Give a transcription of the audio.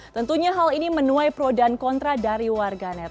tentunya hal ini menuai pro dan kontra dari warganet